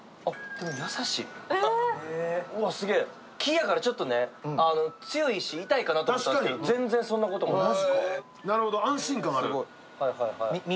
木やから強いし痛いかなと思うたんやけど全然そんなこともなく。